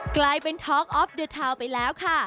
กลายเป็นท็อกออฟเดอร์ทาวน์ไปแล้วค่ะ